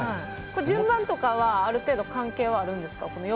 順番とかはある程度関係はあるんですか？